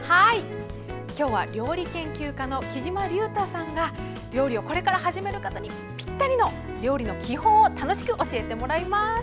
今日は料理研究家のきじまりゅうたさんが料理をこれから始める方にぴったりの料理の基本を楽しく教えてもらいます。